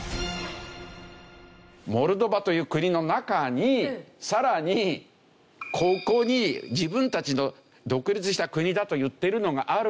モルドバという国の中にさらにここに自分たちの独立した国だと言ってるのがあるんですよ。